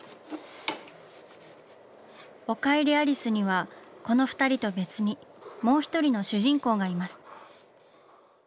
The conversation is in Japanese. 「おかえりアリス」にはこの二人と別にもう一人の主人公がいます。